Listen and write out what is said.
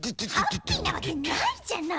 ハッピーなわけないじゃないの！